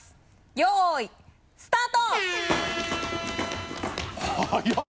よいスタート！